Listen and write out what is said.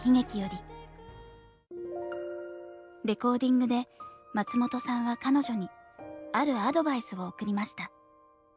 レコーディングで松本さんは彼女にあるアドバイスを送りました。